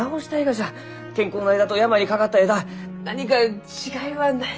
健康な枝と病にかかった枝何か違いはないか。